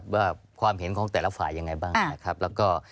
ว่าความเห็นของแต่ละฝ่ายยังไงบ้างนะครับแล้วก็